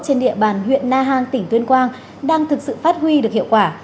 trên địa bàn huyện na hàng tỉnh tuyên quang đang thực sự phát huy được hiệu quả